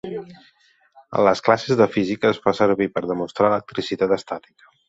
En les classes de física es fa servir per demostrar l'electricitat estàtica.